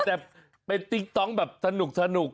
แต่เป็นติ๊กต๊อกแบบสนุก